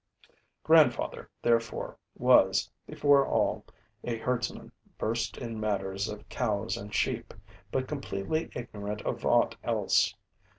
Grandfather, therefore, was, before all, a herdsman versed in matters of cows and sheep, but completely ignorant of aught else.